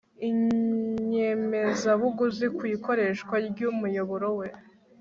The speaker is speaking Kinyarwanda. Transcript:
inyemezabuguzi ku ikoreshwa ry umuyoboro we